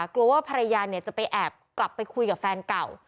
กลัวว่าภรรยาจะไปแอบกลับไปคุยกับแฟนเก่า